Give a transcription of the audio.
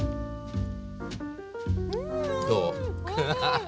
どう？